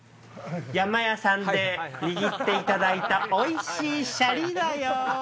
山やさんで握っていただいたおいしいシャリだよ。